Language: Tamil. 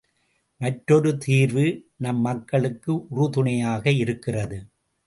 மற்றொரு தீர்வு நம் மக்களுக்கு உறு துணையாக இருக்கிறது.